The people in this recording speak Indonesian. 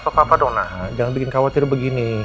toh papa dong jangan bikin khawatir begini